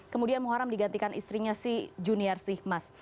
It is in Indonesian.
kemudian muharam digantikan istrinya si junior sihmas